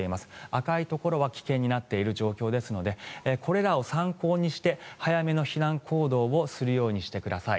赤いところは危険になっている状況なのでこれらを参考にして早めの避難行動をするようにしてください。